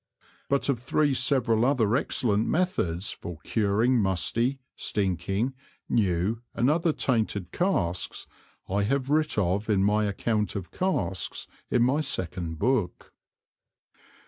But of three several other excellent Methods for curing musty, stinking, new and other tainted Casks, I have writ of in my Account of Casks in my Second Book.